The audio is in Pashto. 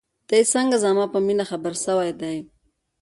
دى څنگه زما په مينې خبر سوى دى.